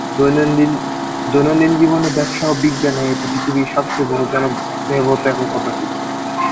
দৈনন্দিন জীবনে ব্যবসা ও বিজ্ঞানে এটি পৃথিবীর সবচেয়ে বহুল ব্যবহৃত একক পদ্ধতি।